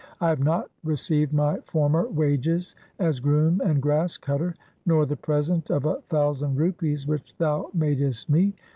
I have not received my former wages as groom and grass cutter, nor the present of a thousand rupees which thou madest me.